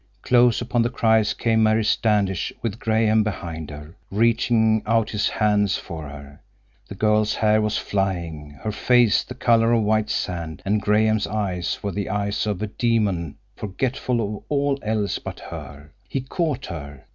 Close upon the cries came Mary Standish, with Graham behind her, reaching out his hands for her. The girl's hair was flying, her face the color of the white sand, and Graham's eyes were the eyes of a demon forgetful of all else but her. He caught her.